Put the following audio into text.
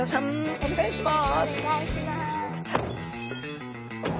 お願いします。